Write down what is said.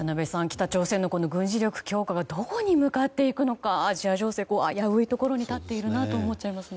北朝鮮のこの軍事力強化がどこに向かっていくのかアジア情勢危ういところに立っているなと思っちゃいます。